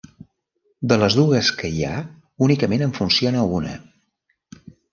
De les dues que hi ha únicament en funciona una.